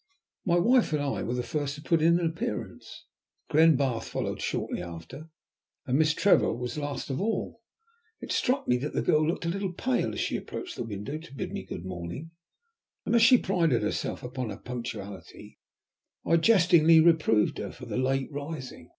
My wife and I were the first to put in an appearance, Glenbarth followed shortly after, and Miss Trevor was last of all. It struck me that the girl looked a little pale as she approached the window to bid me good morning, and as she prided herself upon her punctuality, I jestingly reproved her for her late rising.